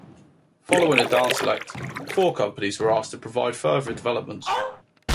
Following a downselect, four companies were asked to provide further developments.